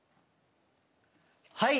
はい！